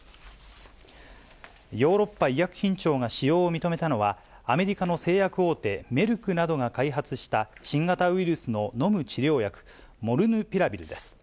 ヨーロッパ医薬品庁が使用を認めたのは、アメリカの製薬大手、メルクなどが開発した新型ウイルスの飲む治療薬、モルヌピラビルです。